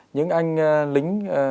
những anh lính